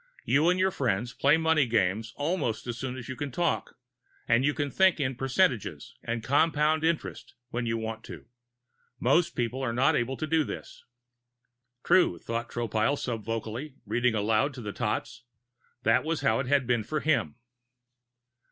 You and your friends play money games almost as soon as you can talk, and you can think in percentages and compound interest when you want to. Most people are not able to do this." True, thought Tropile subvocally, reading aloud to the tots. That was how it had been with him.